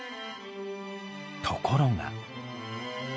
ところが。